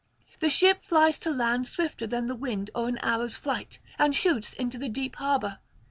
The ship flies to land swifter than the wind or an arrow's flight, and shoots into the deep harbour.